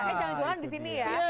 jangan jauhan di sini ya